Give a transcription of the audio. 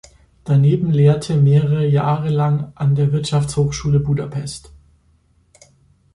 Daneben lehrte mehrere Jahre lang an der Wirtschaftshochschule Budapest.